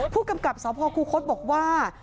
ผู้กำกับสพคูคศบอกว่า